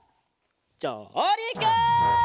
じょうりく！